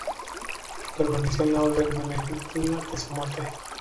Permaneció en la orden benedictina hasta su muerte.